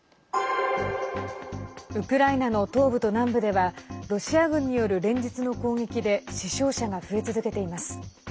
ウクライナの東部と南部ではロシア軍による連日の攻撃で死傷者が増え続けています。